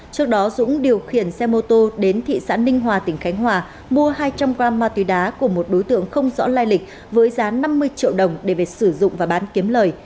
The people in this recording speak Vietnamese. trước đó dũng điều khiển xe mô tô đến thị xã ninh hòa tỉnh khánh hòa mua hai trăm linh g ma túy đá của một đối tượng không rõ lai lịch với giá năm mươi triệu đồng để về sử dụng và bán kiếm lời